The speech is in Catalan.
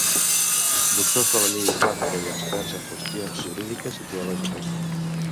Doctors de la llei islàmica i experts en qüestions jurídiques i teològiques.